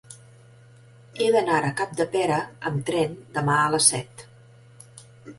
He d'anar a Capdepera amb tren demà a les set.